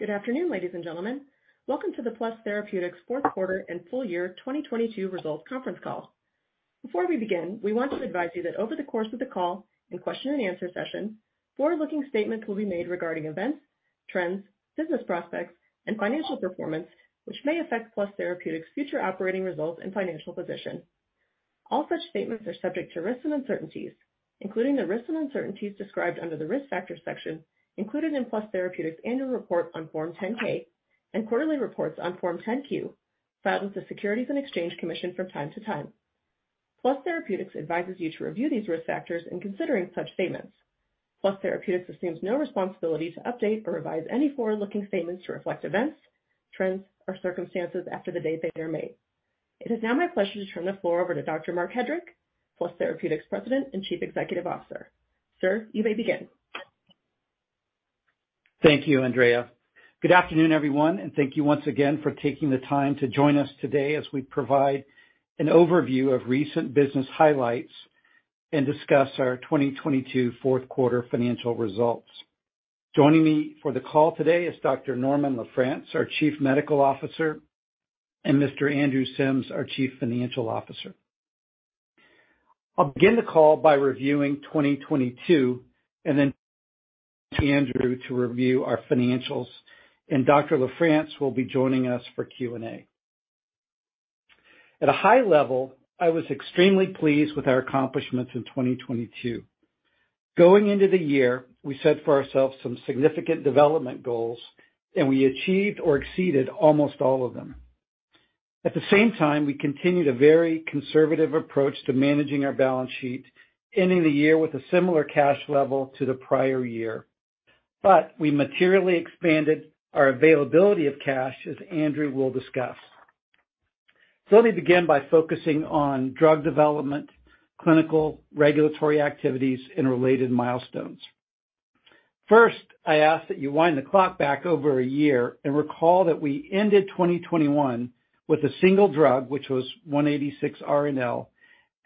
Good afternoon, ladies and gentlemen. Welcome to the Plus Therapeutics Q4 and full year 2022 results conference call. Before we begin, we want to advise you that over the course of the call and question and answer session, forward-looking statements will be made regarding events, trends, business prospects, and financial performance, which may affect Plus Therapeutics' future operating results and financial position. All such statements are subject to risks and uncertainties, including the risks and uncertainties described under the Risk Factors section included in Plus Therapeutics' Annual Report on Form 10-K and quarterly reports on Form 10-Q filed with the Securities and Exchange Commission from time to time. Plus Therapeutics advises you to review these risk factors in considering such statements. Plus Therapeutics assumes no responsibility to update or revise any forward-looking statements to reflect events, trends, or circumstances after the date that they are made. It is now my pleasure to turn the floor over to Dr. Marc Hedrick, Plus Therapeutics President and Chief Executive Officer. Sir, you may begin. Thank you, Andrea. Good afternoon, everyone, and thank you once again for taking the time to join us today as we provide an overview of recent business highlights and discuss our 2022 Q4 financial results. Joining me for the call today is Dr. Norman LaFrance, our Chief Medical Officer, and Mr. Andrew Sims, our Chief Financial Officer. I'll begin the call by reviewing 2022 and then turn to Andrew to review our financials. Dr. LaFrance will be joining us for Q&A. At a high level, I was extremely pleased with our accomplishments in 2022. Going into the year, we set for ourselves some significant development goals. We achieved or exceeded almost all of them. At the same time, we continued a very conservative approach to managing our balance sheet, ending the year with a similar cash level to the prior year. We materially expanded our availability of cash, as Andrew will discuss. Let me begin by focusing on drug development, clinical regulatory activities, and related milestones. First, I ask that you wind the clock back over a year and recall that we ended 2021 with a single drug, which was 186RNL,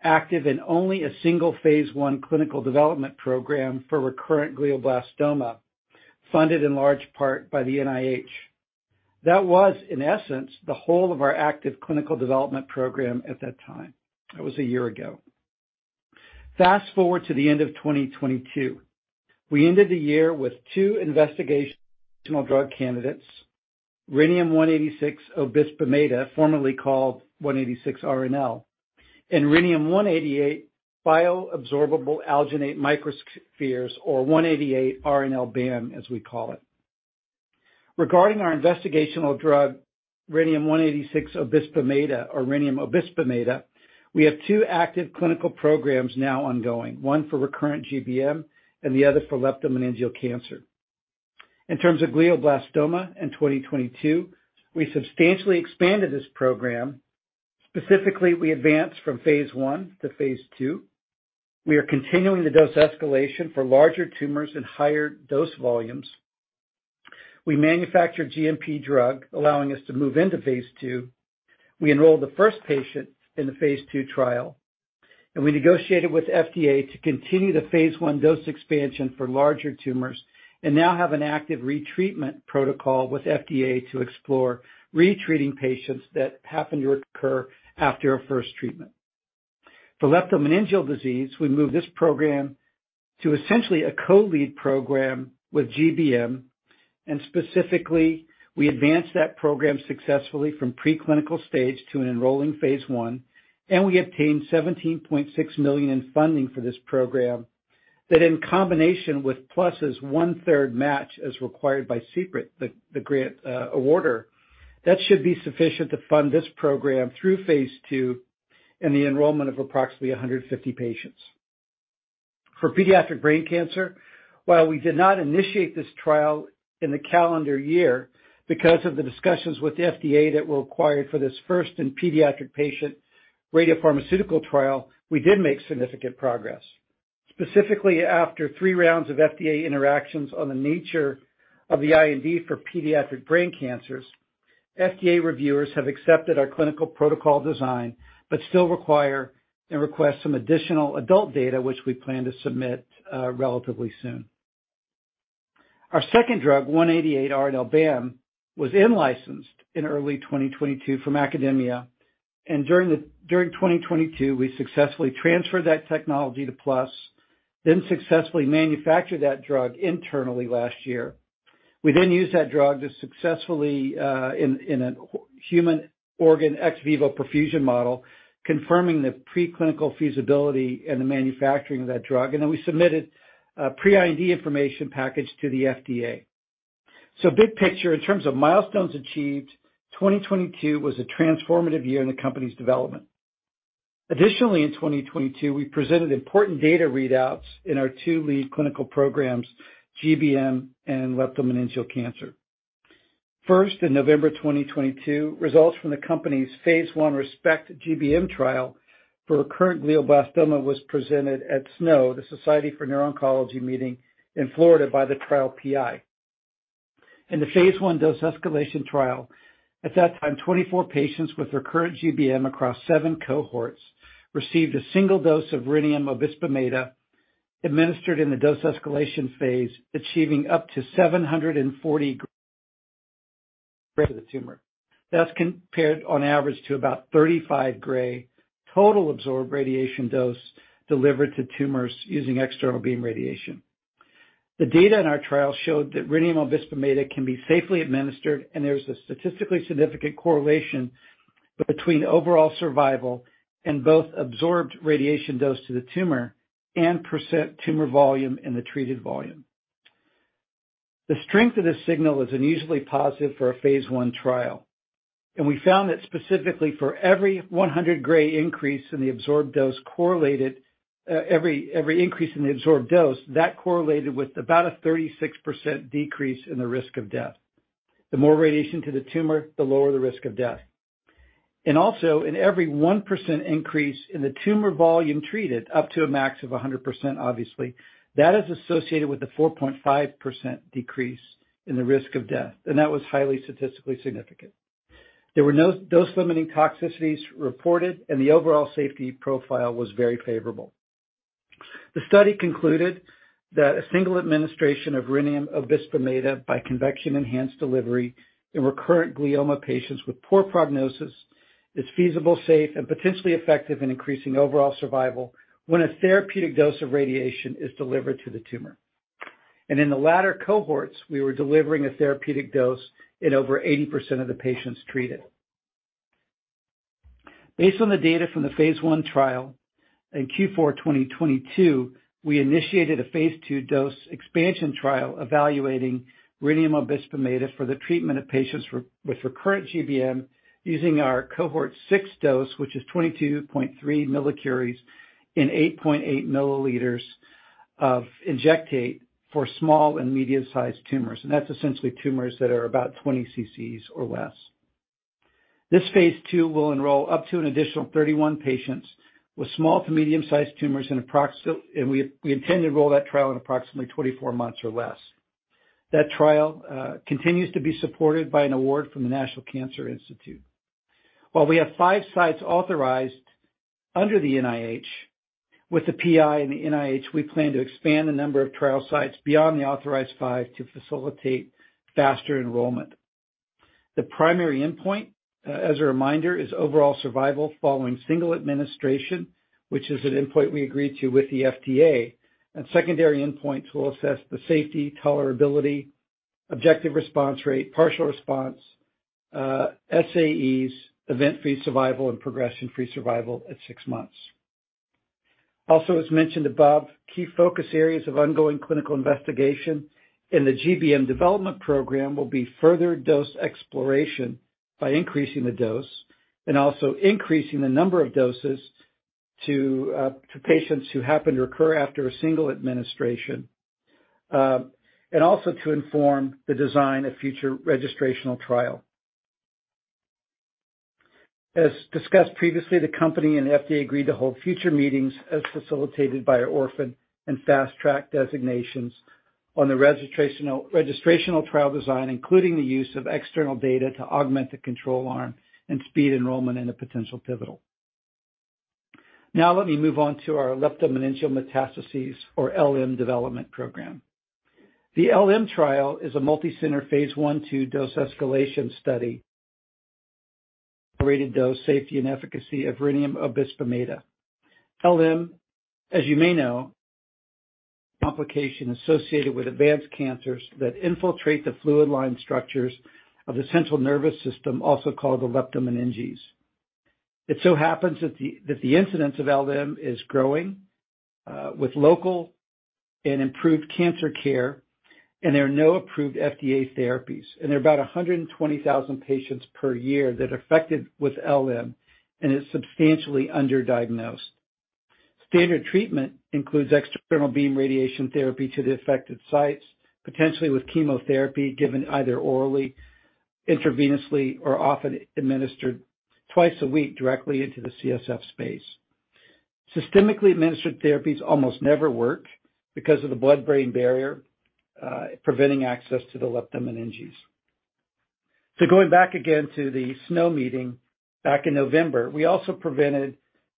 active in only a single phase I clinical development program for recurrent glioblastoma, funded in large part by the NIH. That was, in essence, the whole of our active clinical development program at that time. That was a year ago. Fast-forward to the end of 2022. We ended the year with two investigational drug candidates, Rhenium-186 obisbemeda, formerly called 186RNL, and Rhenium 188 bioabsorbable alginate microspheres, or 188RNL-BAM, as we call it. Regarding our investigational drug rhenium-186 obisbemeda or rhenium obisbemeda, we have two active clinical programs now ongoing, one for recurrent GBM and the other for leptomeningeal cancer. In terms of glioblastoma in 2022, we substantially expanded this program. Specifically, we advanced from phase I to phase II. We are continuing the dose escalation for larger tumors and higher dose volumes. We manufactured GMP drug, allowing us to move into phase II. We enrolled the first patient in the phase II trial, and we negotiated with FDA to continue the phase I dose expansion for larger tumors and now have an active retreatment protocol with FDA to explore retreating patients that happen to recur after a first treatment. For leptomeningeal disease, we moved this program to essentially a co-lead program with GBM. Specifically, we advanced that program successfully from preclinical stage to an enrolling phase I. We obtained $17.6 million in funding for this program that in combination with Plus' one-third match as required by CPRIT, the grant awarder, that should be sufficient to fund this program through phase II and the enrollment of approximately 150 patients. For pediatric brain cancer, while we did not initiate this trial in the calendar year because of the discussions with the FDA that were required for this first in pediatric patient radiopharmaceutical trial, we did make significant progress. Specifically, after 3 rounds of FDA interactions on the nature of the IND for pediatric brain cancers, FDA reviewers have accepted our clinical protocol design, still require and request some additional adult data, which we plan to submit relatively soon. Our second drug, 188RNL-BAM, was in-licensed in early 2022 from academia. During 2022, we successfully transferred that technology to Plus, successfully manufactured that drug internally last year. We used that drug to successfully in a human organ ex vivo perfusion model, confirming the preclinical feasibility and the manufacturing of that drug. We submitted a pre-IND information package to the FDA. Big picture, in terms of milestones achieved, 2022 was a transformative year in the company's development. In 2022, we presented important data readouts in our two lead clinical programs, GBM and leptomeningeal metastases. First, in November 2022, results from the company's phase I ReSPECT-GBM trial for recurrent glioblastoma was presented at SNO, the Society for Neuro-Oncology meeting in Florida by the trial PI. In the phase I dose escalation trial, at that time, 24 patients with recurrent GBM across seven cohorts received a single dose of rhenium obisbemeda administered in the dose escalation phase, achieving up to 740 gray to the tumor. That's compared on average to about 35 gray total absorbed radiation dose delivered to tumors using external beam radiation. The data in our trial showed that rhenium obisbemeda can be safely administered, and there's a statistically significant correlation between overall survival and both absorbed radiation dose to the tumor and percent tumor volume in the treated volume. The strength of this signal is unusually positive for a phase I trial. We found that specifically for every 100 gray increase in the absorbed dose correlated, every increase in the absorbed dose, that correlated with about a 36% decrease in the risk of death. The more radiation to the tumor, the lower the risk of death. Also in every 1% increase in the tumor volume treated, up to a max of 100% obviously, that is associated with the 4.5% decrease in the risk of death, and that was highly statistically significant. There were no dose-limiting toxicities reported, and the overall safety profile was very favorable. The study concluded that a single administration of rhenium obisbemeda by convection-enhanced delivery in recurrent glioma patients with poor prognosis is feasible, safe, and potentially effective in increasing overall survival when a therapeutic dose of radiation is delivered to the tumor. In the latter cohorts, we were delivering a therapeutic dose in over 80% of the patients treated. Based on the data from the phase I trial in Q4 2022, we initiated a phase II dose expansion trial evaluating rhenium obisbemeda for the treatment of patients with recurrent GBM using our cohort six dose, which is 22.3 millicuries in 8.8 milliliters of injectate for small and medium-sized tumors, and that's essentially tumors that are about 20 CCs or less. This phase II will enroll up to an additional 31 patients with small to medium-sized tumors. We intend to roll that trial in approximately 24 months or less. That trial continues to be supported by an award from the National Cancer Institute. While we have five sites authorized under the NIH, with the PI and the NIH, we plan to expand the number of trial sites beyond the authorized five to facilitate faster enrollment. The primary endpoint, as a reminder, is overall survival following single administration, which is an endpoint we agreed to with the FDA, and secondary endpoints will assess the safety, tolerability, objective response rate, partial response, SAEs, event-free survival, and progression-free survival at six months. Also, as mentioned above, key focus areas of ongoing clinical investigation in the GBM development program will be further dose exploration by increasing the dose and also increasing the number of doses to patients who happen to recur after a single administration, and also to inform the design of future registrational trial. As discussed previously, the company and FDA agreed to hold future meetings as facilitated by our Orphan and Fast Track designations on the registrational trial design, including the use of external data to augment the control arm and speed enrollment in a potential pivotal. Now let me move on to our leptomeningeal metastases, or LM, development program. The LM trial is a multi-center phase I/2 dose escalation study of dose safety and efficacy of rhenium obisbemeda. LM, as you may know, is a complication associated with advanced cancers that infiltrate the fluid-lined structures of the central nervous system, also called the leptomeninges. It so happens that the incidence of LM is growing with local and improved cancer care, there are no approved FDA therapies. There are about 120,000 patients per year that are affected with LM and is substantially underdiagnosed. Standard treatment includes external beam radiation therapy to the affected sites, potentially with chemotherapy given either orally, intravenously or often administered twice a week directly into the CSF space. Systemically administered therapies almost never work because of the blood-brain barrier, preventing access to the leptomeninges. Going back again to the SNO Meeting back in November, we also presented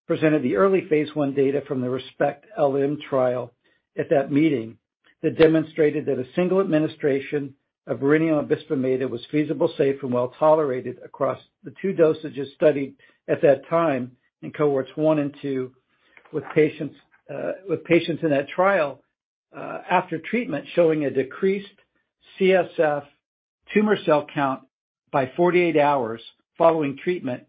the early phase I data from the ReSPECT-LM trial at that meeting that demonstrated that a single administration of rhenium obisbemeda was feasible, safe, and well-tolerated across the two dosages studied at that time in cohorts one and two with patients in that trial, after treatment showing a decreased CSF tumor cell count by 48 hours following treatment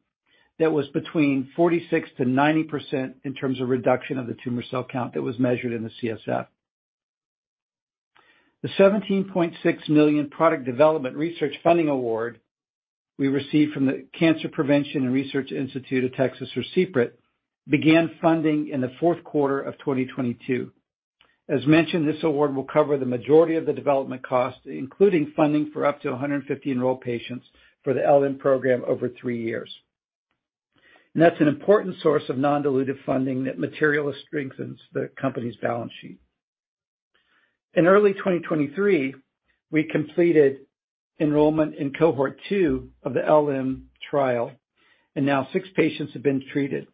that was between 46%-90% in terms of reduction of the tumor cell count that was measured in the CSF. The $17.6 million product development research funding award we received from the Cancer Prevention and Research Institute of Texas, or CPRIT, began funding in the Q4 of 2022. As mentioned, this award will cover the majority of the development costs, including funding for up to 150 enrolled patients for the LM program over three years. That's an important source of non-dilutive funding that materially strengthens the company's balance sheet. In early 2023, we completed enrollment in cohort two of the LM trial. Now six patients have been treated.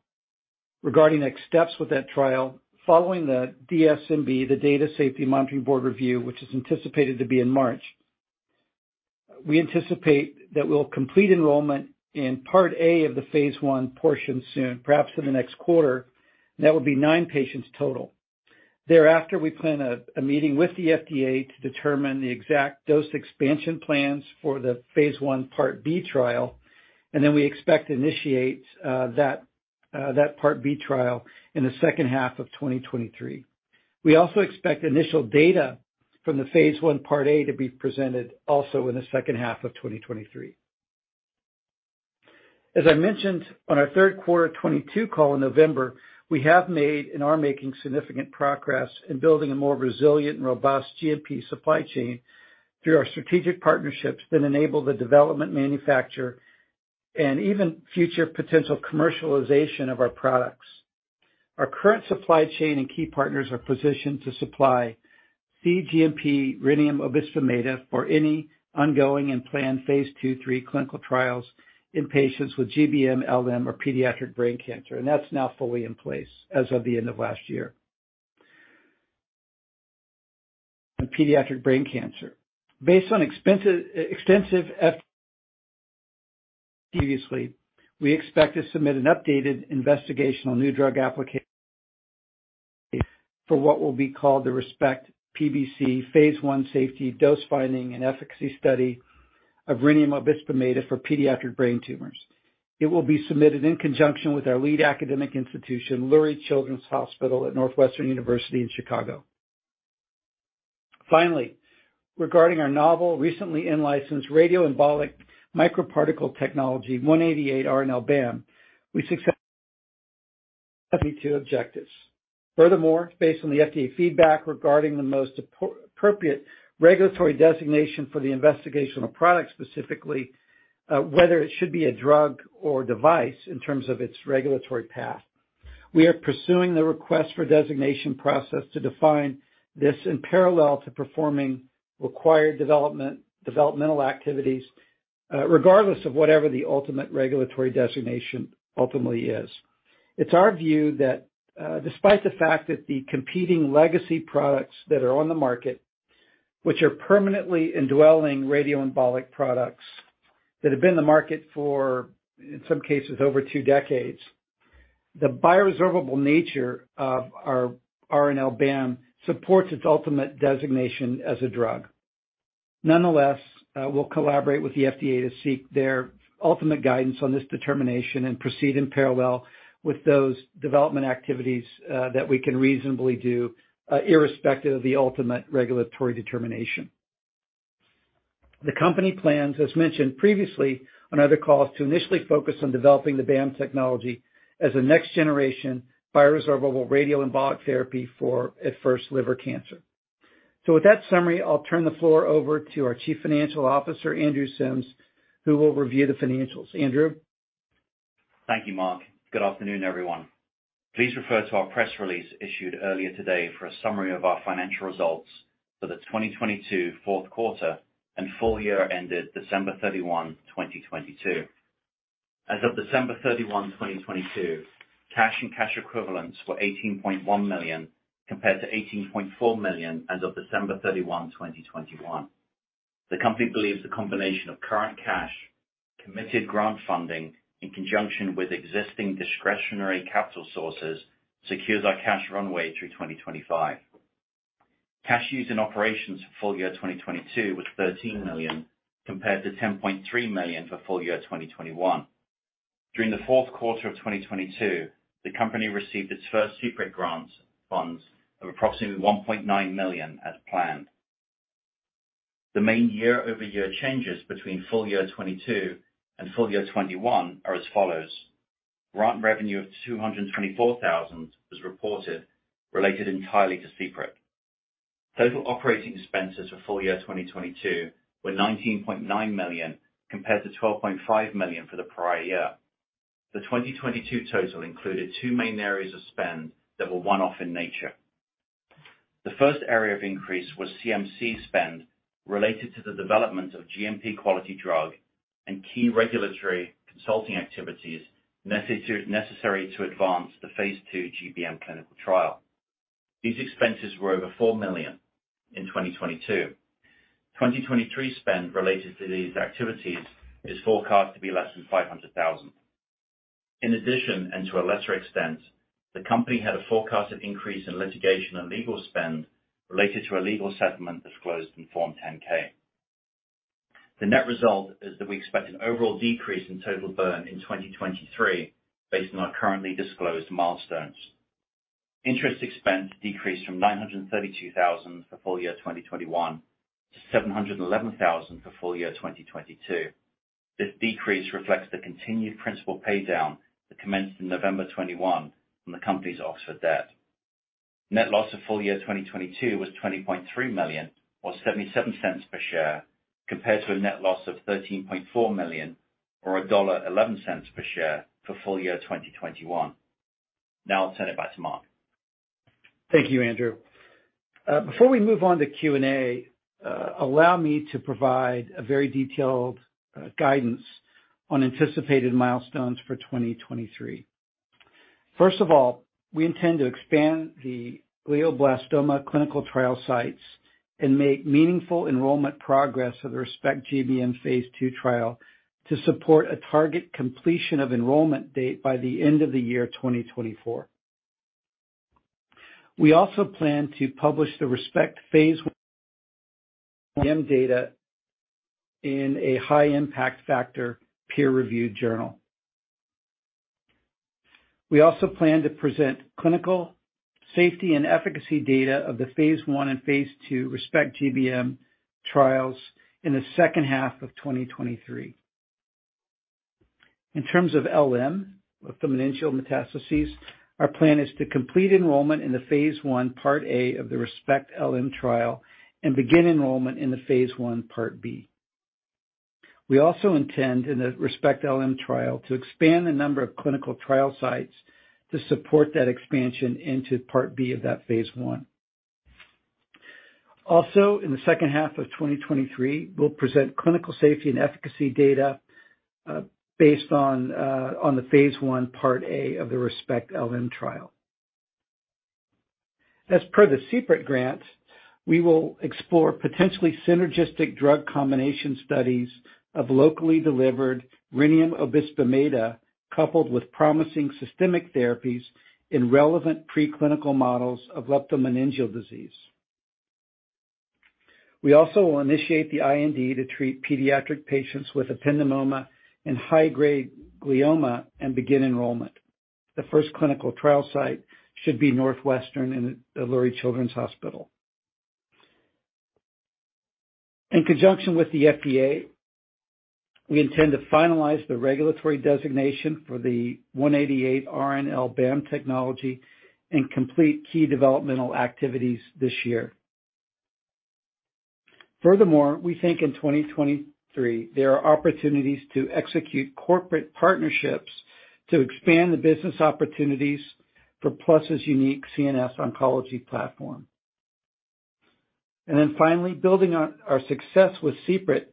Regarding next steps with that trial, following the DSMB, the Data Safety Monitoring Board review, which is anticipated to be in March, we anticipate that we'll complete enrollment in part A of the phase I portion soon, perhaps in the next quarter, and that will be 9 patients total. Thereafter, we plan a meeting with the FDA to determine the exact dose expansion plans for the phase I part B trial. We expect to initiate that part B trial in the H2 of 2023. We also expect initial data from the phase I part A to be presented also in the H2 of 2023. As I mentioned on our third-quarter 2022 call in November, we have made and are making significant progress in building a more resilient and robust GMP supply chain through our strategic partnerships that enable the development, manufacture, and even future potential commercialization of our products. Our current supply chain and key partners are positioned to supply cGMP rhenium obisbemeda for any ongoing and planned phase II/III clinical trials in patients with GBM, LM, or pediatric brain cancer. That's now fully in place as of the end of last year. In pediatric brain cancer, based on extensive previously, we expect to submit an updated investigational new drug application for what will be called the ReSPECT-PBC phase I safety dose finding and efficacy study of rhenium obisbemeda for pediatric brain tumors. It will be submitted in conjunction with our lead academic institution, Lurie Children's Hospital at Northwestern University in Chicago. Finally, regarding our novel, recently in-licensed radioembolic microparticle technology, 188RNL-BAM, we successfully two objectives. Furthermore, based on the FDA feedback regarding the most appropriate regulatory designation for the investigational product, specifically, whether it should be a drug or device in terms of its regulatory path. We are pursuing the request for designation process to define this in parallel to performing required developmental activities, regardless of whatever the ultimate regulatory designation ultimately is. It's our view that, despite the fact that the competing legacy products that are on the market, which are permanently indwelling radioembolic products that have been in the market for, in some cases over two decades, the bioresorbable nature of our RNL-BAM supports its ultimate designation as a drug. Nonetheless, we'll collaborate with the FDA to seek their ultimate guidance on this determination and proceed in parallel with those development activities that we can reasonably do irrespective of the ultimate regulatory determination. The company plans, as mentioned previously on other calls, to initially focus on developing the BAM technology as a next-generation bioresorbable radioembolic therapy for, at first, liver cancer. With that summary, I'll turn the floor over to our Chief Financial Officer, Andrew Sims, who will review the financials. Andrew? Thank you, Marc. Good afternoon, everyone. Please refer to our press release issued earlier today for a summary of our financial results for the 2022 Q4 and full year ended December 31, 2022. As of December 31, 2022, cash and cash equivalents were $18.1 million compared to $18.4 million as of December 31, 2021. The company believes the combination of current cash, committed grant funding in conjunction with existing discretionary capital sources secures our cash runway through 2025. Cash used in operations for full year 2022 was $13 million compared to $10.3 million for full year 2021. During the Q4 of 2022, the company received its first CPRIT grant funds of approximately $1.9 million as planned. The main year-over-year changes between full year 2022 and full year 2021 are as follows: grant revenue of $224,000 was reported, related entirely to CPRIT. Total operating expenses for full year 2022 were $19.9 million compared to $12.5 million for the prior year. The 2022 total included two main areas of spend that were one-off in nature. The first area of increase was CMC spend related to the development of GMP quality drug and key regulatory consulting activities necessary to advance the phase II GBM clinical trial. These expenses were over $4 million in 2022. 2023 spend related to these activities is forecast to be less than $500,000. In addition, and to a lesser extent, the company had a forecasted increase in litigation and legal spend related to a legal settlement disclosed in Form 10-K. The net result is that we expect an overall decrease in total burn in 2023 based on our currently disclosed milestones. Interest expense decreased from $932,000 for full year 2021 to $711,000 for full year 2022. This decrease reflects the continued principal pay down that commenced in November of 2021 on the company's Oxford debt. Net loss of full year 2022 was $20.3 million or $0.77 per share, compared to a net loss of $13.4 million or $1.11 per share for full year 2021. I'll turn it back to Marc. Thank you, Andrew. Before we move on to Q&A, allow me to provide a very detailed guidance on anticipated milestones for 2023. First of all, we intend to expand the glioblastoma clinical trial sites and make meaningful enrollment progress of the ReSPECT-GBM phase II trial to support a target completion of enrollment date by the end of the year 2024. We also plan to publish the ReSPECT Phase data in a high-impact factor peer-reviewed journal. We also plan to present clinical safety and efficacy data of the phase I and phase II ReSPECT-GBM trials in the H2 of 2023. In terms of LM, leptomeningeal metastases, our plan is to complete enrollment in the phase I part A of the ReSPECT-LM trial and begin enrollment in the phase I part B. We also intend in the ReSPECT-LM trial to expand the number of clinical trial sites to support that expansion into Part B of that phase I. In the H2 of 2023, we'll present clinical safety and efficacy data based on the phase I Part A of the ReSPECT-LM trial. As per the CPRIT grant, we will explore potentially synergistic drug combination studies of locally delivered rhenium obisbemeda coupled with promising systemic therapies in relevant preclinical models of leptomeningeal disease. We also will initiate the IND to treat pediatric patients with ependymoma and high-grade glioma and begin enrollment. The first clinical trial site should be Northwestern in the Lurie Children's Hospital. In conjunction with the FDA, we intend to finalize the regulatory designation for the 188 RNL-BAM technology and complete key developmental activities this year. We think in 2023, there are opportunities to execute corporate partnerships to expand the business opportunities for Plus's unique CNS oncology platform. Finally, building on our success with CPRIT,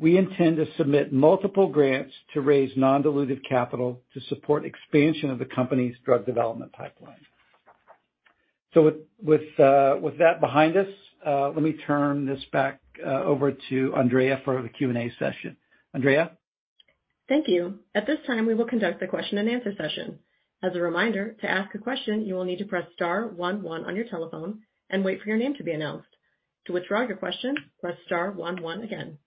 we intend to submit multiple grants to raise non-dilutive capital to support expansion of the company's drug development pipeline. With that behind us, let me turn this back over to Andrea for the Q&A session. Andrea? Thank you. At this time, we will conduct the question-and-answer session. As a reminder, to ask a question, you will need to press star one one on your telephone and wait for your name to be announced. To withdraw your question, press star one one again.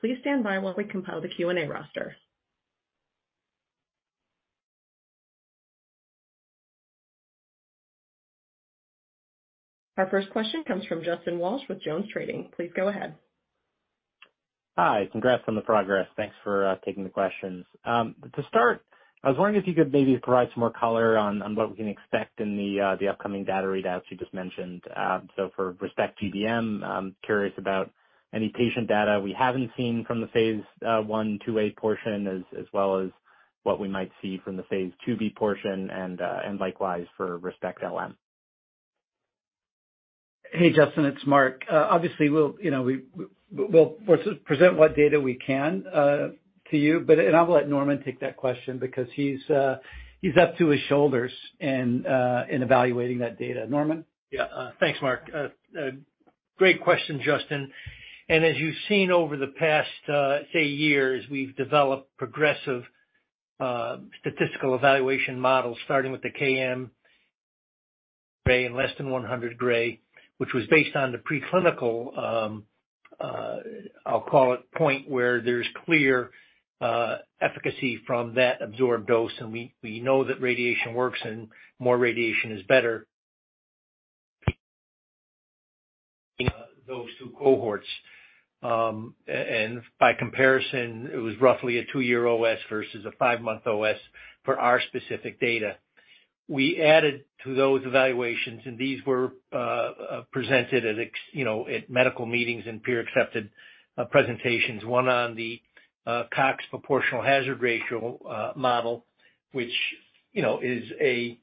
Please stand by while we compile the Q&A roster. Our first question comes from Justin Walsh with JonesTrading. Please go ahead. Hi. Congrats on the progress. Thanks for taking the questions. To start, I was wondering if you could maybe provide some more color on what we can expect in the upcoming data readouts you just mentioned. For ReSPECT-GBM, I'm curious about any patient data we haven't seen from the phase I/II A portion as well as what we might see from the phase II B portion and likewise for ReSPECT-LM. Hey, Justin, it's Marc. Obviously, we'll, you know, we'll present what data we can to you, but. I'll let Norman take that question because he's up to his shoulders in evaluating that data. Norman? Yeah. Thanks, Marc. Great question, Justin. As you've seen over the past, say, years, we've developed progressive statistical evaluation models starting with the KM gray and less than 100 gray, which was based on the preclinical, I'll call it point, where there's clear efficacy from that absorbed dose. We, we know that radiation works and more radiation is better those two cohorts. And by comparison, it was roughly a two year OS versus a five month OS for our specific data. We added to those evaluations, and these were presented at you know, at medical meetings and peer-accepted presentations, one on the Cox proportional hazards model, which, you know, is a,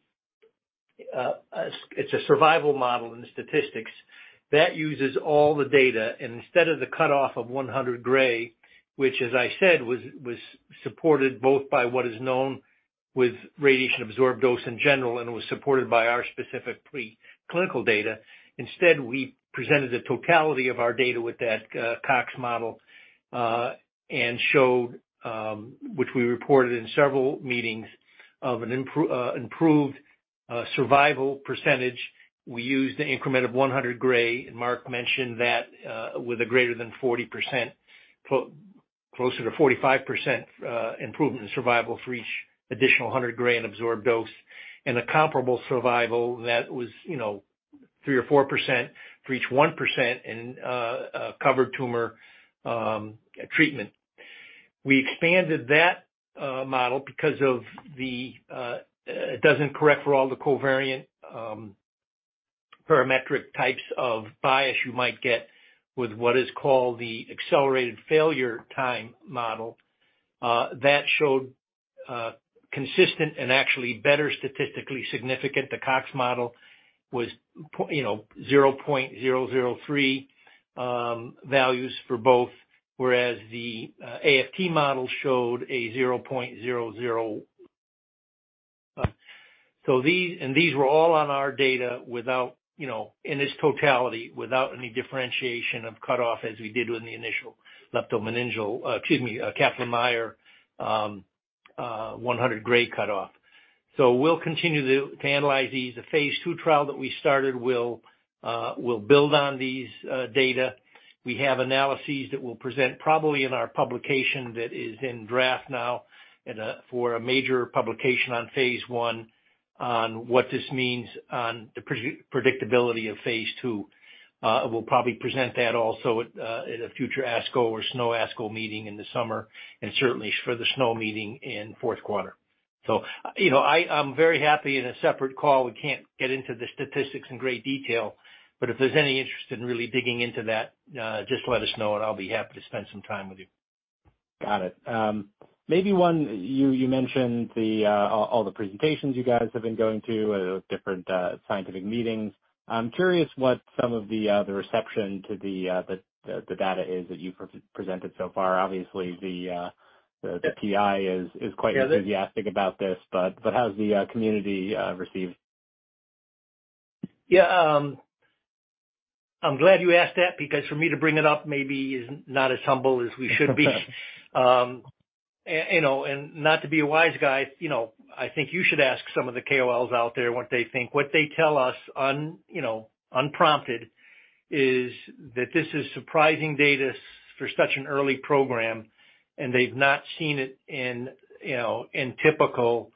it's a survival model in statistics that uses all the data. Instead of the cutoff of 100 gray, which as I said, was supported both by what is known with radiation absorbed dose in general and was supported by our specific preclinical data, instead, we presented the totality of our data with that Cox model, and showed, which we reported in several meetings, of an improved survival percentage. We used the increment of 100 gray. Marc mentioned that with a greater than 40%, closer to 45%, improvement in survival for each additional 100 gray in absorbed dose and a comparable survival that was, you know, 3% or 4% for each 1% in covered tumor treatment. We expanded that model because of the it doesn't correct for all the covariant parametric types of bias you might get with what is called the accelerated failure time model. That showed consistent and actually better statistically significant. The Cox model was, you know, 0.003 values for both, whereas the AFT model showed a 0.00... These were all on our data without, you know, in its totality, without any differentiation of cutoff as we did with the initial leptomeningeal, excuse me, Kaplan-Meier 100 gray cutoff. We'll continue to analyze these. The phase II trial that we started will build on these data. We have analyses that we'll present probably in our publication that is in draft now and for a major publication on phase I on what this means on the predictability of phase II. We'll probably present that also at a future ASCO or SNO ASCO meeting in the summer and certainly for the SNO meeting in Q4. you know, I'm very happy. In a separate call, we can't get into the statistics in great detail, but if there's any interest in really digging into that, just let us know, and I'll be happy to spend some time with you. Got it. You mentioned all the presentations you guys have been going to at different scientific meetings. I'm curious what some of the reception to the data is that you've pre-presented so far. Obviously, the PI is quite enthusiastic about this. How's the community received? Yeah, I'm glad you asked that because for me to bring it up maybe is not as humble as we should be. You know, not to be a wise guy, you know, I think you should ask some of the KOLs out there what they think. What they tell us unprompted is that this is surprising data for such an early program, they've not seen it in, you know, in typical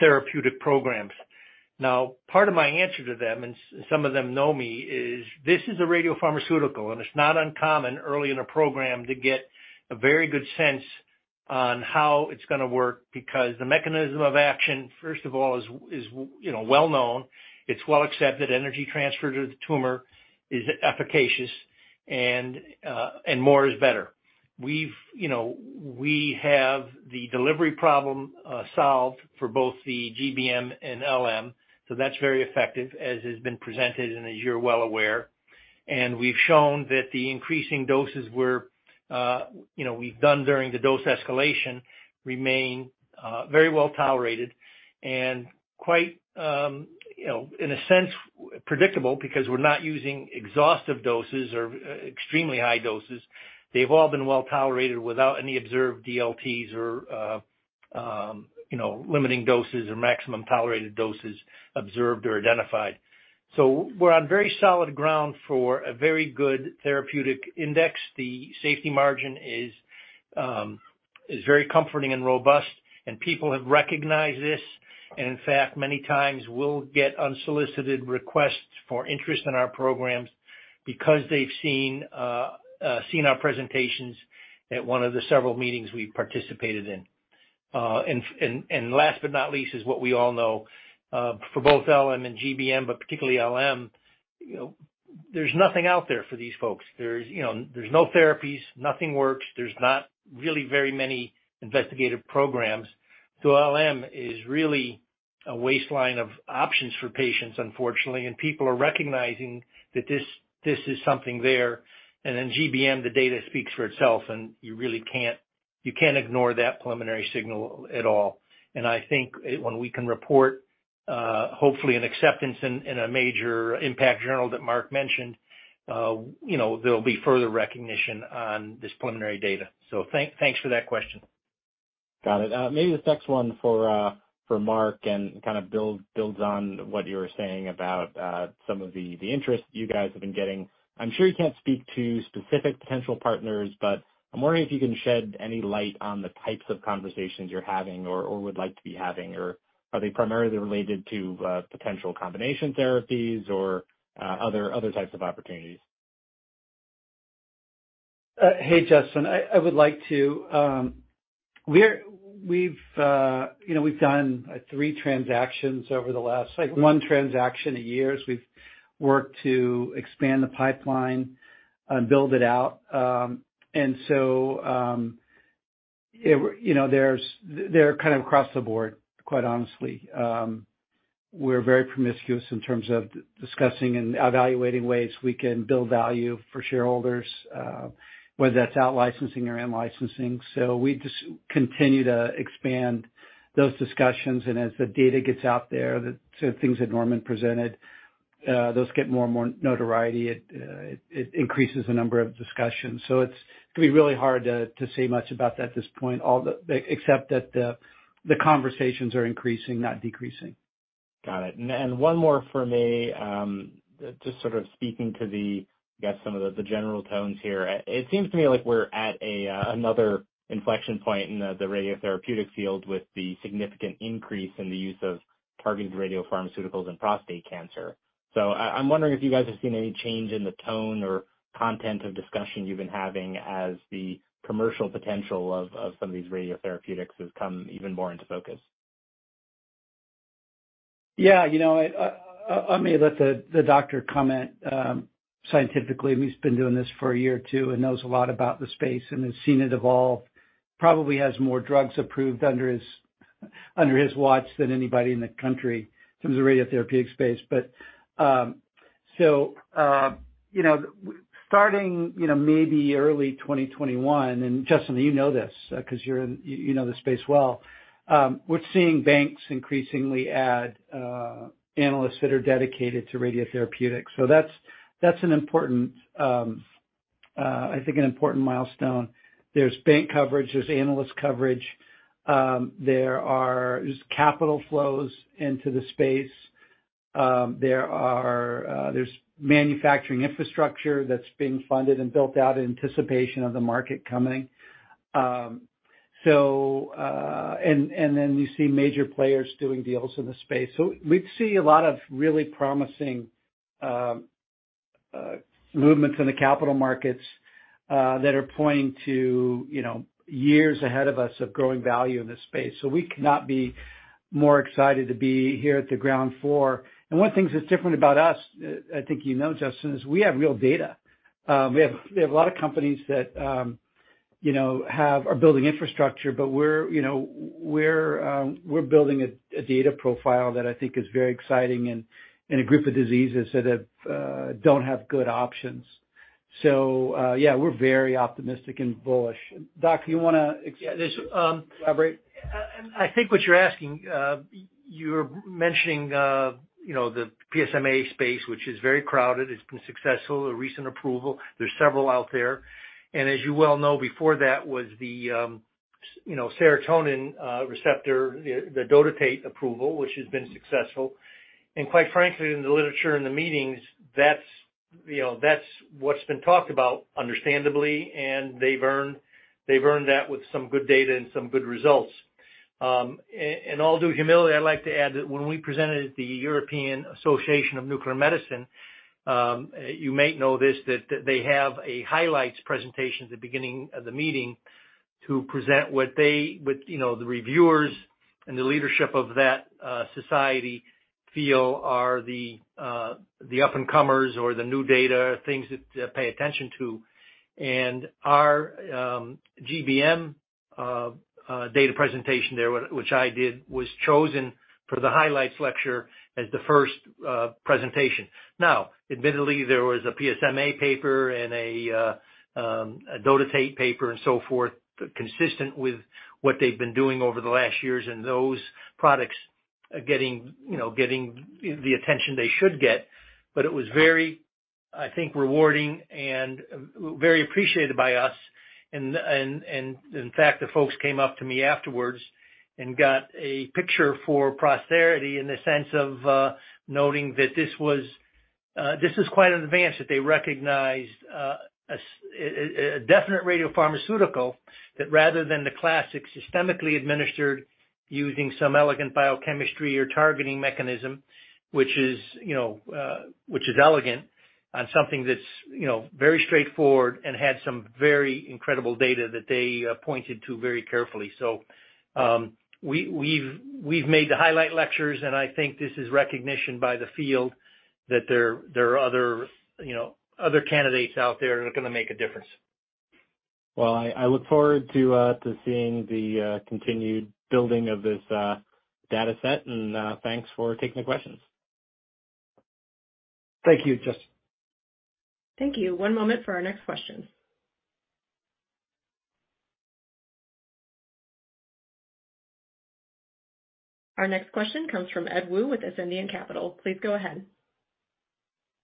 therapeutic programs. Now, part of my answer to them, some of them know me, is this is a radiopharmaceutical, it's not uncommon early in a program to get a very good sense on how it's gonna work, because the mechanism of action, first of all, is, you know, well known. It's well accepted. Energy transfer to the tumor is efficacious and more is better. We've, you know, we have the delivery problem, solved for both the GBM and LM, so that's very effective, as has been presented and as you're well aware. We've shown that the increasing doses were, you know, we've done during the dose escalation remain, very well tolerated and quite, you know, in a sense, predictable because we're not using exhaustive doses or, extremely high doses. They've all been well tolerated without any observed DLTs or, you know, limiting doses or maximum tolerated doses observed or identified. We're on very solid ground for a very good therapeutic index. The safety margin is very comforting and robust, and people have recognized this. In fact, many times we'll get unsolicited requests for interest in our programs because they've seen seen our presentations at one of the several meetings we've participated in. Last but not least is what we all know for both LM and GBM, but particularly LM, you know, there's nothing out there for these folks. There's, you know, there's no therapies. Nothing works. There's not really very many investigative programs. LM is really a waistline of options for patients, unfortunately, and people are recognizing that this is something there. Then GBM, the data speaks for itself, and you really can't ignore that preliminary signal at all. I think when we can report, hopefully an acceptance in a major impact journal that Marc mentioned, you know, there'll be further recognition on this preliminary data. Thanks for that question. Got it. Maybe this next one for Marc and kind of builds on what you were saying about some of the interest you guys have been getting. I'm sure you can't speak to specific potential partners, but I'm wondering if you can shed any light on the types of conversations you're having or would like to be having, or are they primarily related to potential combination therapies or other types of opportunities? Hey, Justin. I would like to, you know, we've done three transactions over the last, like one transaction a year, as we've worked to expand the pipeline and build it out. You know, there's, they're kind of across the board, quite honestly. We're very promiscuous in terms of discussing and evaluating ways we can build value for shareholders, whether that's out-licensing or in-licensing. We just continue to expand those discussions, and as the data gets out there, the things that Norman presented, those get more and more notoriety. It increases the number of discussions. It's gonna be really hard to say much about that at this point, all the, except that the conversations are increasing, not decreasing. Got it. One more for me, just sort of speaking to the general tones here. It seems to me like we're at another inflection point in the radiotherapeutic field with the significant increase in the use of-targeted radiopharmaceuticals in prostate cancer. I'm wondering if you guys have seen any change in the tone or content of discussion you've been having as the commercial potential of some of these radiotherapeutics has come even more into focus. Yeah, you know, I may let the doctor comment scientifically. He's been doing this for a year or two and knows a lot about the space and has seen it evolve. Probably has more drugs approved under his watch than anybody in the country in terms of radiotherapeutic space. You know, starting, you know, maybe early 2021, and Justin, you know this, 'cause you know the space well. We're seeing banks increasingly add analysts that are dedicated to radiotherapeutics. That's an important, I think an important milestone. There's bank coverage, there's analyst coverage. There's capital flows into the space. There's manufacturing infrastructure that's being funded and built out in anticipation of the market coming. you see major players doing deals in the space. we'd see a lot of really promising movements in the capital markets that are pointing to, you know, years ahead of us of growing value in this space. we could not be more excited to be here at the ground floor. one thing that's different about us, I think you know, Justin, is we have real data. we have a lot of companies that, you know, are building infrastructure, but we're, you know, we're building a data profile that I think is very exciting and in a group of diseases that don't have good options. yeah, we're very optimistic and bullish. Doc, you wanna. Yeah. Elaborate? I think what you're asking, you're mentioning, you know, the PSMA space, which is very crowded. It's been successful, a recent approval. There's several out there. As you well know, before that was the, you know, somatostatin receptor, the Dotatate approval, which has been successful. Quite frankly, in the literature, in the meetings, that's, you know, that's what's been talked about, understandably, and they've earned that with some good data and some good results. All due humility, I'd like to add that when we presented at the European Association of Nuclear Medicine, you may know this, that they have a highlights presentation at the beginning of the meeting to present what they, you know, the reviewers and the leadership of that society feel are the up and comers or the new data, things to pay attention to. Our GBM data presentation there, which I did, was chosen for the highlights lecture as the first presentation. Now, admittedly, there was a PSMA paper and a dotatate paper and so forth, consistent with what they've been doing over the last years, and those products are getting, you know, getting the attention they should get. It was very, I think, rewarding and very appreciated by us. In fact, the folks came up to me afterwards and got a picture for posterity in the sense of noting that this was, this is quite an advance that they recognized, a definite radiopharmaceutical that rather than the classic systemically administered using some elegant biochemistry or targeting mechanism, which is, you know, which is elegant on something that's, you know, very straightforward and had some very incredible data that they pointed to very carefully. We've made the highlight lectures, and I think this is recognition by the field that there are other, you know, other candidates out there that are gonna make a difference. I look forward to seeing the continued building of this data set, and thanks for taking the questions. Thank you, Justin. Thank you. One moment for our next question. Our next question comes from Ed Woo with Ascendiant Capital. Please go ahead.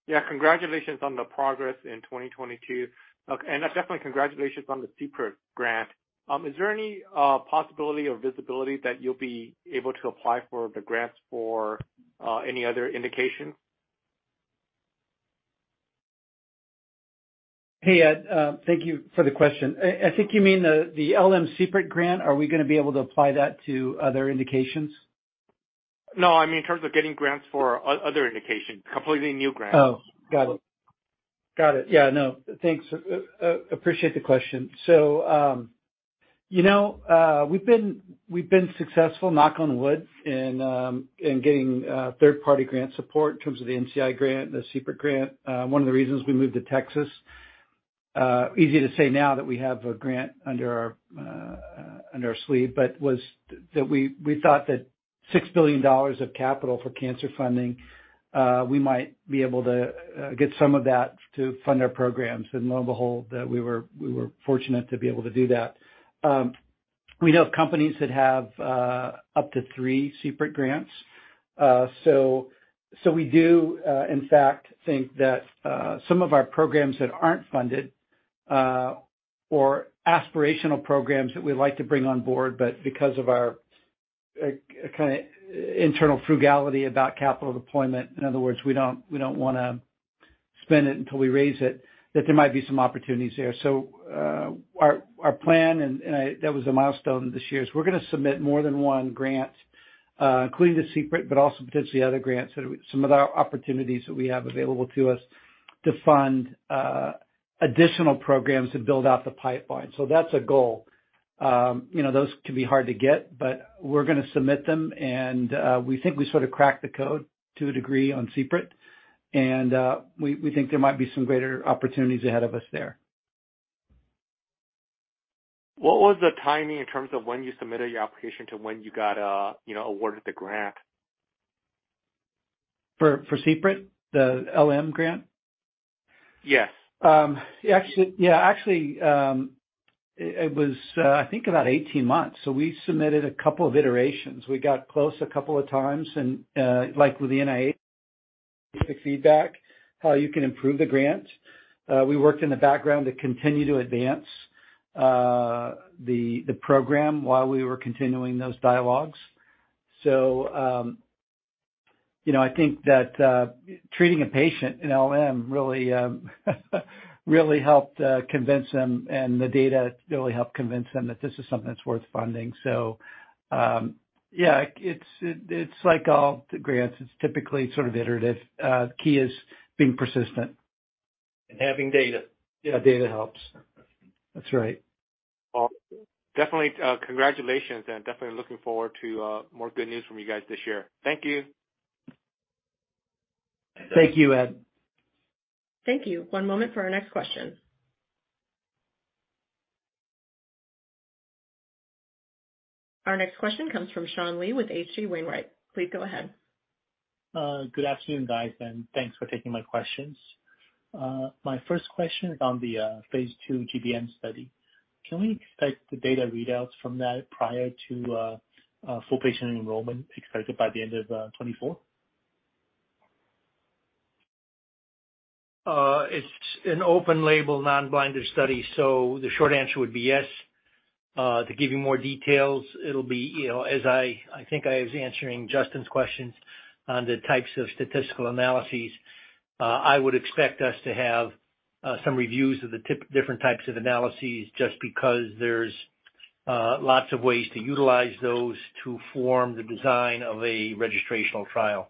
Yeah. Congratulations on the progress in 2022. Definitely congratulations on the CPRIT grant. Is there any possibility or visibility that you'll be able to apply for the grants for any other indication? Hey, Ed. Thank you for the question. I think you mean the LM CPRIT grant. Are we gonna be able to apply that to other indications? No. I mean, in terms of getting grants for other indications, completely new grants. Got it. Got it. Yeah, no. Thanks. Appreciate the question. You know, we've been successful, knock on wood, in getting third-party grant support in terms of the NCI grant and the CPRIT grant. One of the reasons we moved to Texas, easy to say now that we have a grant under our under our sleeve, but was that we thought that $6 billion of capital for cancer funding, we might be able to get some of that to fund our programs. Lo and behold, that we were fortunate to be able to do that. We know of companies that have up to three CPRIT grants. We do in fact think that some of our programs that aren't funded or aspirational programs that we'd like to bring on board, but because of our internal frugality about capital deployment, in other words, we don't want to spend it until we raise it, that there might be some opportunities there. Our plan and that was a milestone this year, is we're going to submit more than 1 grant, including the CPRIT, but also potentially other grants that some of the opportunities that we have available to us to fund additional programs to build out the pipeline. That's a goal. You know, those can be hard to get. We're gonna submit them. We think we sort of cracked the code to a degree on CPRIT. We think there might be some greater opportunities ahead of us there. What was the timing in terms of when you submitted your application to when you got, you know, awarded the grant? For CPRIT? The LM grant? Yes. Actually, yeah. Actually, it was, I think about 18 months. We submitted a couple of iterations. We got close a couple of times and, like with the NIH feedback, how you can improve the grant. We worked in the background to continue to advance the program while we were continuing those dialogues. You know, I think that treating a patient in LM really helped convince them and the data really helped convince them that this is something that's worth funding. Yeah, it's like all the grants. It's typically sort of iterative. Key is being persistent. Having data. Yeah, data helps. That's right. Well, definitely, congratulations and definitely looking forward to more good news from you guys this year. Thank you. Thank you, Ed. Thank you. One moment for our next question. Our next question comes from Sean Lee with H.C. Wainwright. Please go ahead. Good afternoon, guys, thanks for taking my questions. My first question is on the phase II GBM study. Can we expect the data readouts from that prior to full patient enrollment expected by the end of 2024? It's an open label non-blinded study, so the short answer would be yes. To give you more details, it'll be, you know, as I think I was answering Justin's questions on the types of statistical analyses, I would expect us to have some reviews of the different types of analyses just because there's lots of ways to utilize those to form the design of a registrational trial.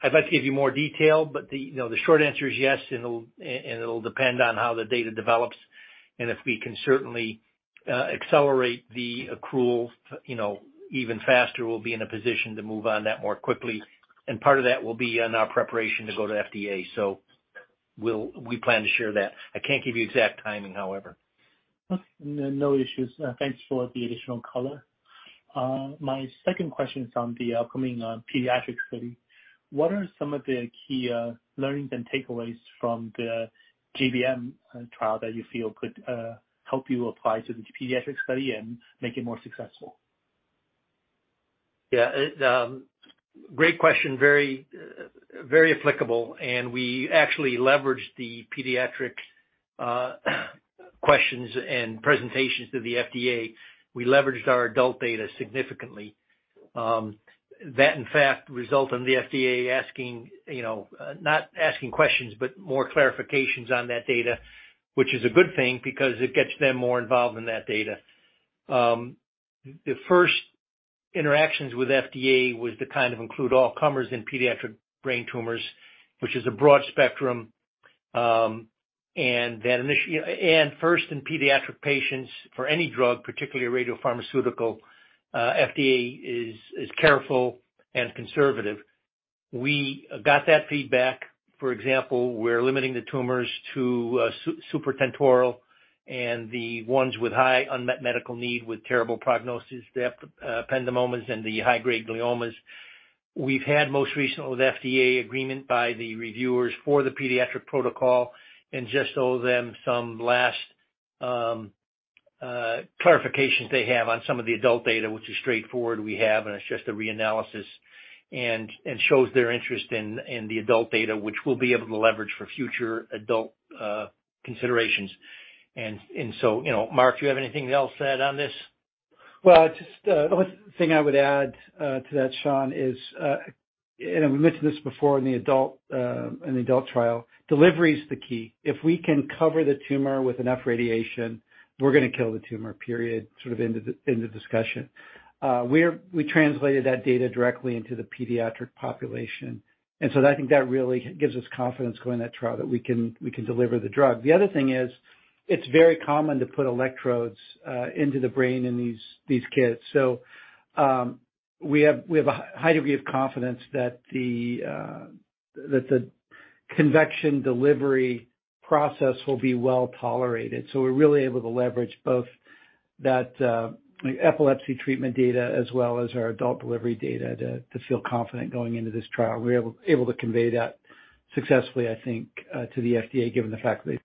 I'd like to give you more detail, but the, you know, the short answer is yes, and it'll, and it'll depend on how the data develops. If we can certainly accelerate the accrual, you know, even faster, we'll be in a position to move on that more quickly. Part of that will be on our preparation to go to FDA. We plan to share that. I can't give you exact timing, however. Okay. No issues. Thanks for the additional color. My second question is on the upcoming pediatric study. What are some of the key learnings and takeaways from the GBM trial that you feel could help you apply to the pediatric study and make it more successful? Yeah. It, great question, very, very applicable. We actually leveraged the pediatric questions and presentations to the FDA. We leveraged our adult data significantly. That in fact resulted in the FDA asking, you know, not asking questions, but more clarifications on that data, which is a good thing because it gets them more involved in that data. The first interactions with FDA was to kind of include all comers in pediatric brain tumors, which is a broad spectrum, and first in pediatric patients for any drug, particularly a radiopharmaceutical, FDA is careful and conservative. We got that feedback. For example, we're limiting the tumors to supratentorial and the ones with high unmet medical need with terrible prognosis, the ependymomas and the high-grade gliomas. We've had most recently with FDA agreement by the reviewers for the pediatric protocol and just owe them some last clarifications they have on some of the adult data which is straightforward we have, and it's just a reanalysis and shows their interest in the adult data which we'll be able to leverage for future adult considerations. You know, Marc, do you have anything else to add on this? Well, just one thing I would add to that, Sean, is we mentioned this before in the adult trial, delivery is the key. If we can cover the tumor with enough radiation, we're gonna kill the tumor, period. Sort of end of discussion. We translated that data directly into the pediatric population, I think that really gives us confidence going that trial that we can deliver the drug. The other thing is, it's very common to put electrodes into the brain in these kids. We have a high degree of confidence that the convection delivery process will be well tolerated. We're really able to leverage both that, like, epilepsy treatment data as well as our adult delivery data to feel confident going into this trial. We're able to convey that successfully, I think, to the FDA, given the fact that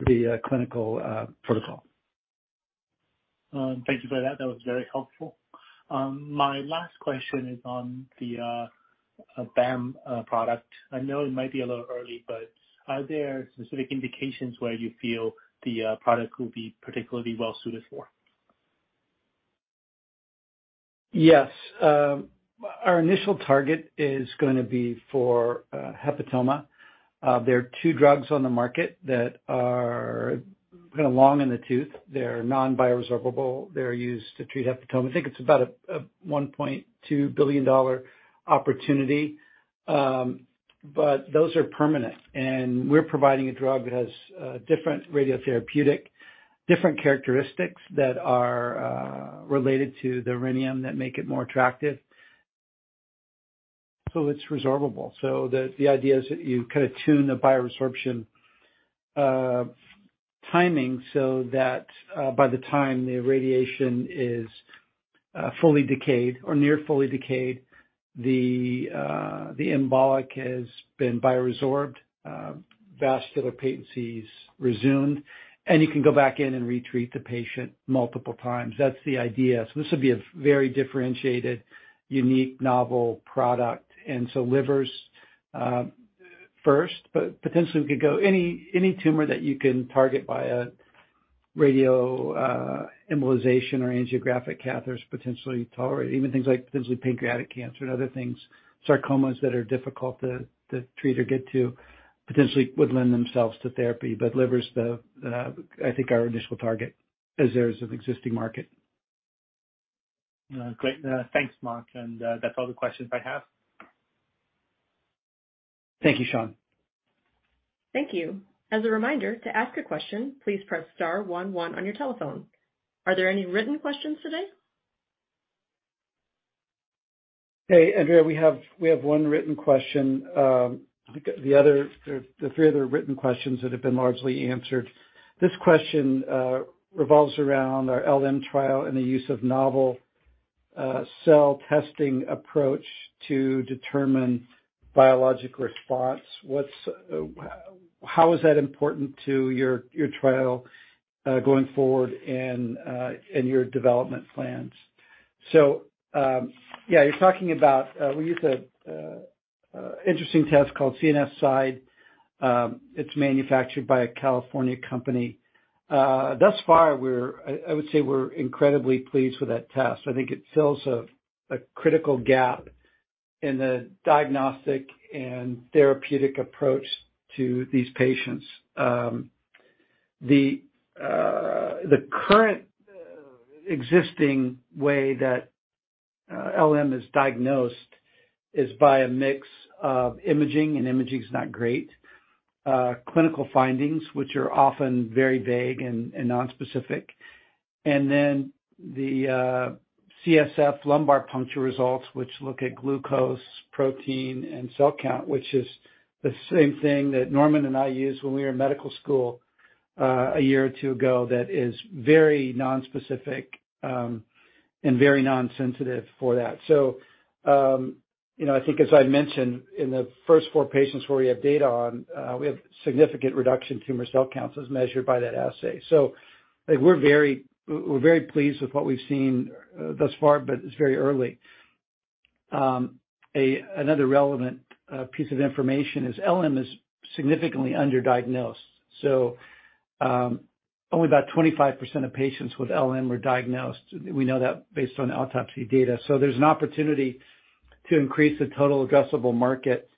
the clinical protocol. Thank you for that. That was very helpful. My last question is on the BAM product. I know it might be a little early, but are there specific indications where you feel the product could be particularly well suited for? Yes. Our initial target is gonna be for hepatoma. There are two drugs on the market that are kinda long in the tooth. They're non-bio-resorbable. They're used to treat hepatoma. I think it's about a $1.2 billion opportunity. But those are permanent, and we're providing a drug that has different radiotherapeutic, different characteristics that are related to the rhenium that make it more attractive. It's resorbable. The idea is that you kinda tune the bio-resorption timing so that by the time the radiation is fully decayed or near fully decayed, the embolic has been bio-resorbed, vascular patency's resumed, and you can go back in and retreat the patient multiple times. That's the idea. This would be a very differentiated, unique, novel product. Livers first. Potentially we could go any tumor that you can target via radioembolization or angiographic catheters potentially tolerate. Even things like potentially pancreatic cancer and other things, sarcomas that are difficult to treat or get to potentially would lend themselves to therapy. Liver is the I think our initial target as there's an existing market. Great. Thanks, Marc. That's all the questions I have. Thank you, Sean. Thank you. As a reminder, to ask a question, please press star one, one on your telephone. Are there any written questions today? Hey, Andrea, we have one written question. I think the three other written questions that have been largely answered. This question revolves around our LM trial and the use of novel cell testing approach to determine biologic response. How is that important to your trial going forward and your development plans? Yeah, you're talking about, we use a interesting test called CNSide. It's manufactured by a California company. Thus far, I would say we're incredibly pleased with that test. I think it fills a critical gap in the diagnostic and therapeutic approach to these patients. The current existing way that LM is diagnosed is by a mix of imaging, and imaging's not great. clinical findings, which are often very vague and nonspecific. The CSF lumbar puncture results, which look at glucose, protein, and cell count, which is the same thing that Norman and I used when we were in medical school, a year or two ago that is very nonspecific and very nonsensitive for that. You know, I think as I mentioned in the first four patients where we have data on, we have significant reduction tumor cell counts as measured by that assay. We're very, we're very pleased with what we've seen thus far, but it's very early. Another relevant piece of information is LM is significantly underdiagnosed. Only about 25% of patients with LM were diagnosed. We know that based on autopsy data. There's an opportunity to increase the total addressable market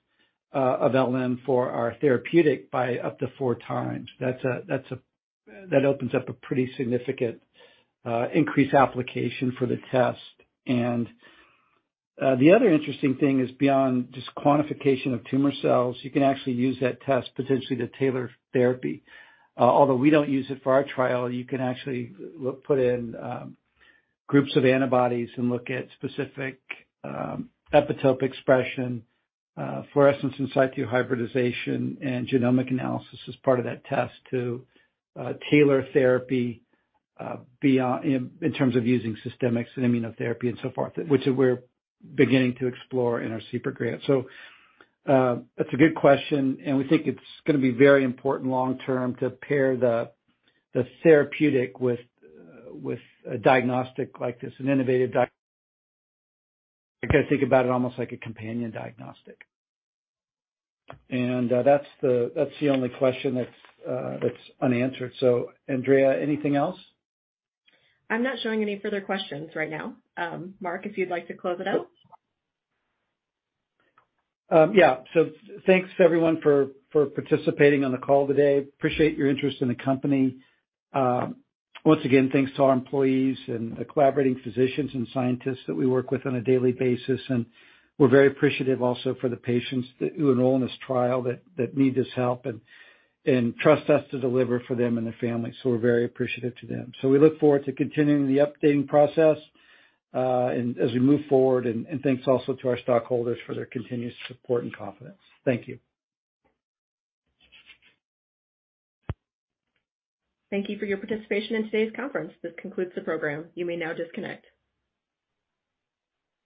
of LM for our therapeutic by up to 4 times. That opens up a pretty significant increased application for the test. The other interesting thing is beyond just quantification of tumor cells, you can actually use that test potentially to tailor therapy. Although we don't use it for our trial, you can actually put in groups of antibodies and look at specific epitope expression, fluorescence in situ hybridization and genomic analysis as part of that test to tailor therapy in terms of using systemics and immunotherapy and so forth, which we're beginning to explore in our CPRIT grant. That's a good question. We think it's gonna be very important long term to pair the therapeutic with a diagnostic like this, an innovative. I gotta think about it almost like a companion diagnostic. That's the only question that's unanswered. Andrea, anything else? I'm not showing any further questions right now. Marc, if you'd like to close it out. Yeah. Thanks everyone for participating on the call today. Appreciate your interest in the company. Once again, thanks to our employees and the collaborating physicians and scientists that we work with on a daily basis. We're very appreciative also for the patients who enroll in this trial that need this help and trust us to deliver for them and their families, so we're very appreciative to them. We look forward to continuing the updating process and as we move forward. Thanks also to our stockholders for their continued support and confidence. Thank you. Thank you for your participation in today's conference. This concludes the program. You may now disconnect.